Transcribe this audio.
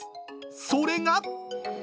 それが。